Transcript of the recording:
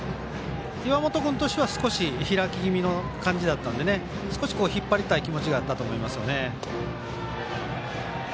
岩本君としては少し開き気味だったので少し引っ張りたい気持ちがあったと思いますよね。